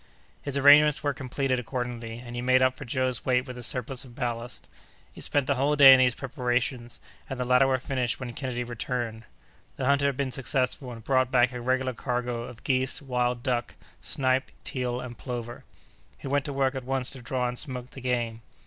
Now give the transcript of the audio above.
His arrangements were completed accordingly, and he made up for Joe's weight with a surplus of ballast. He spent the whole day in these preparations, and the latter were finished when Kennedy returned. The hunter had been successful, and brought back a regular cargo of geese, wild duck, snipe, teal, and plover. He went to work at once to draw and smoke the game.